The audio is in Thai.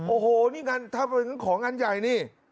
โอ้โหนี่งั้นถ้าเป็นของงานใหญ่นี่